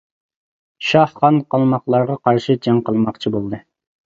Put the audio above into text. شاھ خان قالماقلارغا قارشى جەڭ قىلماقچى بولدى.